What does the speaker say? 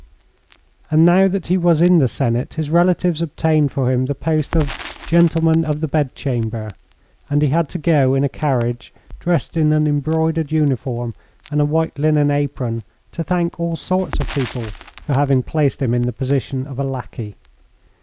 And now that he was in the Senate his relatives obtained for him the post of Gentleman of the Bedchamber, and he had to go in a carriage, dressed in an embroidered uniform and a white linen apron, to thank all sorts of people for having placed him in the position of a lackey.